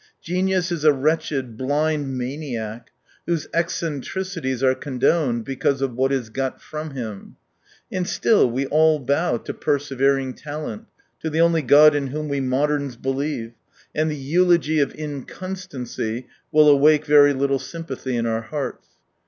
Genius is a wretched, blind maniac, whose eccentricities are condoned because of what is got from him. And still we all bow to persevering talent, to the only god in whom we moderns believe, and the eulogy of inconstancy will awake very little sympathy in our hearts.